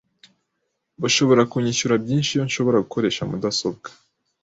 Bashobora kunyishyura byinshi iyo nshobora gukoresha mudasobwa.